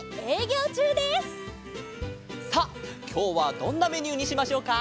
さあきょうはどんなメニューにしましょうか？